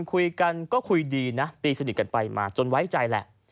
ก็คุยดีนะตีสนิทกันไปจนไว้ใจแหละ